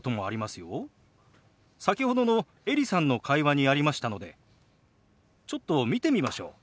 先ほどのエリさんの会話にありましたのでちょっと見てみましょう。